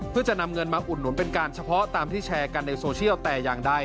เพื่อจะนำเงินมาอุดหนุนเป็นการเฉพาะตามที่แชร์กันในโซเชียลแต่อย่างใด